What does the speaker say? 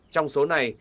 trong số này